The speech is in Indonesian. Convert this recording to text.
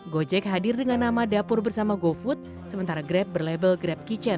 gojek hadir dengan nama dapur bersama gofood sementara grab berlabel grab kitchen